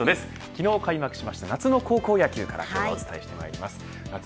昨日開催しました夏の高校野球からお伝えしてまいります。